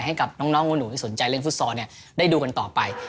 ให้กับน้องหนูที่สนใจเล่นฟุตซอลได้ดูกันต่อไป